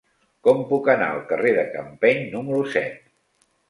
Com puc anar al carrer de Campeny número set?